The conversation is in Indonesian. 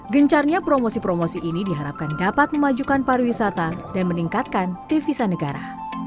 gencarnya promosi promosi ini diharapkan dapat memajukan pariwisata dan meningkatkan devisa negara